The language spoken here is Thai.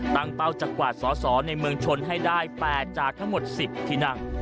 เป้าจะกวาดสอสอในเมืองชนให้ได้๘จากทั้งหมด๑๐ที่นั่ง